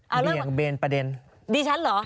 เอาล่ะว่าดีชันเหรอ